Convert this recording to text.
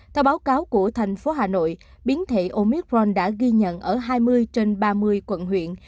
theo báo cáo của thành phố hà nội biến thể omicron đã ghi nhận ở hai mươi trên ba mươi quận huyện